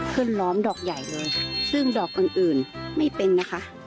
ล้อมดอกใหญ่เลยซึ่งดอกอื่นไม่เป็นนะคะ